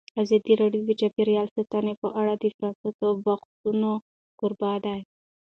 ازادي راډیو د چاپیریال ساتنه په اړه د پرانیستو بحثونو کوربه وه.